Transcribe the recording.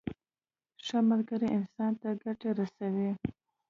ښه ملګری انسان ته ګټه رسوي.